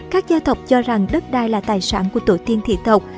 các gia tộc cho rằng đất đai là tài sản của tổ tiên thị tộc